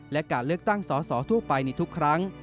และการเลือกตั้งสอสอทั่วไปในทุกครั้ง